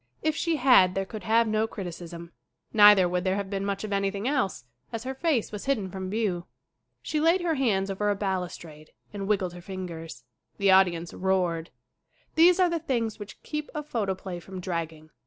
If she had there could have no criticism. Neither would there have been much of anything else, as her face was hidden from view. She laid her hands over a balustrade and wiggled her fingers. The audience roared. These are the things which keep a photoplay from dragging.